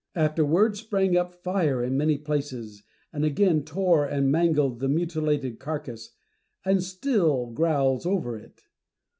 After wards sprang up fire in many places, and again tore and mangled the mutilated carcass, and still growls over it.